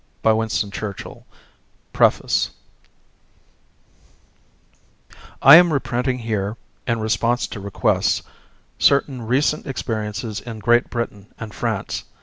By Winston Churchill PREFACE I am reprinting here, in response to requests, certain recent experiences in Great Britain and France.